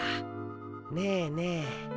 ねえねえ